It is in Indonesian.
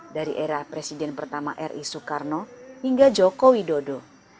dari era presiden pertama ri soekarno hingga joko widodo